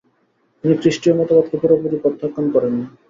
তিনি খ্রিস্টীয় মতবাদকে পুরোপুরি প্রত্যাখ্যান করেননি।